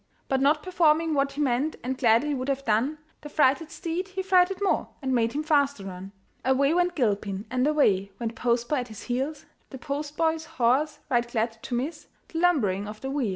But not performing what he meant, And gladly would have done, The frighted steed he frighted more, And made him faster run. Away went Gilpin, and away Went postboy at his heels, The postboy's horse right glad to miss The lumbering of the wheels.